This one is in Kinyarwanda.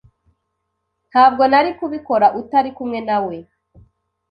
Ntabwo nari kubikora utari kumwe nawe.